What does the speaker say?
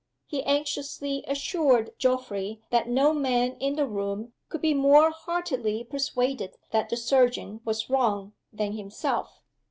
He anxiously assured Geoffrey that no man in the room could be more heartily persuaded that the surgeon was wrong than himself.